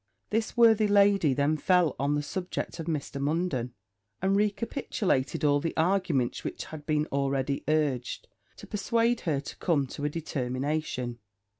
This worthy lady then fell on the subject of Mr. Munden; and recapitulated all the arguments which had been already urged, to persuade her to come to a determination.